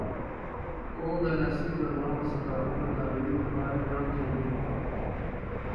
کو گلہ اسی زبان و ثقافت و تعلیمی دپارہ کرام تھانہ ہِنہ۔